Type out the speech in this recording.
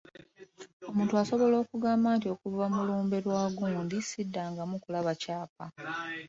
Omuntu asobola okukugamba nti okuva mu lumbe lwa gundi siddangamu kulaba kyapa.